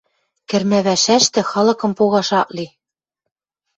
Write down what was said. Кӹрмӓ пӓшӓштӹ халыкым погаш ак ли.